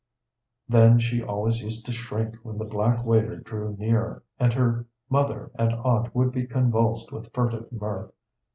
Then she always used to shrink when the black waiter drew near, and her mother and aunt would be convulsed with furtive mirth.